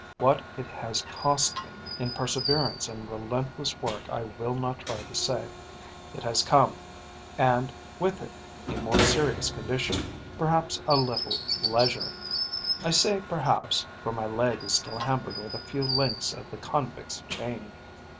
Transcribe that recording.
What it has cost me in perseverance and relentless work I will not try to say. It has come; and, with it a more serious condition perhaps a little leisure. I say perhaps, for my leg is still hampered with a few links of the convict's chain.